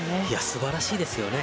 素晴らしいですよね。